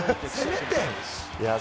せめて。